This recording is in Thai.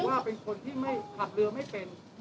เป็นคนที่ขับเรือไม่เป็น